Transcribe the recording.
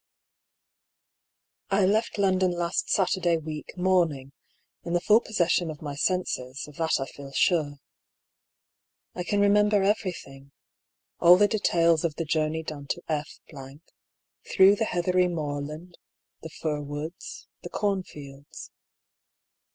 I left London last Saturday week morning, in the full possession of my senses (of that I feel sure). I can remember everything — all the details of the journey down to F , through the heathery moorland, the fir woods, the cornfields.